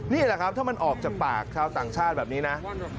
นี่แหละครับถ้ามันออกจากปากชาวต่างชาติแบบนี้นะ